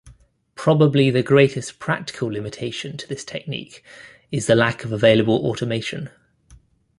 Probably the greatest practical limitation to this technique is the lack of available automation.